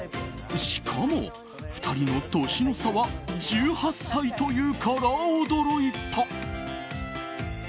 しかも、２人の年の差は１８歳というから驚いた。